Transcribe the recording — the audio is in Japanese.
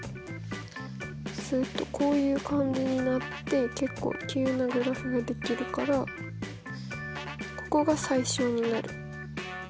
するとこういう感じになって結構急なグラフができるからここが最小になる。